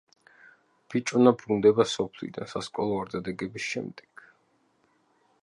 ბიჭუნა ბრუნდება სოფლიდან, სასკოლო არდადეგების შემდეგ.